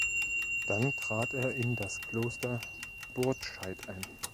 Dann trat er in das Kloster Burtscheid ein.